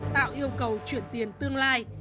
tạo yêu cầu chuyển tiền tương lai